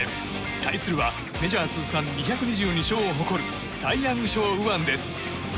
対するはメジャー通算２２２勝を誇るサイ・ヤング賞右腕です。